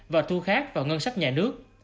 và thu khác vào ngân sách nhà nước